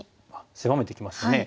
狭めてきますよね。